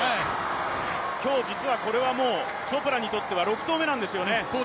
今日、実はこれはチョプラにとっては６投目なんですよね。